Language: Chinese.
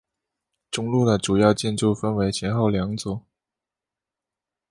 中路的主要建筑分前后两组。